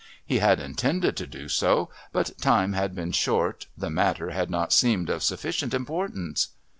He had intended to do so, but time had been short, the matter had not seemed of sufficient importance....